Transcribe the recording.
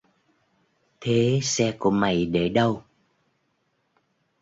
thế xe của mày để đâu